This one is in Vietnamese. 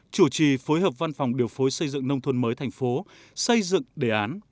chủ trì phối hợp văn phòng điều phối xây dựng nông thôn mới thành phố xây dựng đề án